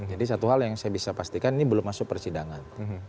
jadi satu hal yang saya bisa pastikan ini belum masuk persidangan